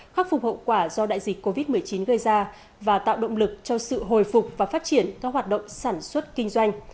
khắc phục hậu quả do đại dịch covid một mươi chín gây ra và tạo động lực cho sự hồi phục và phát triển các hoạt động sản xuất kinh doanh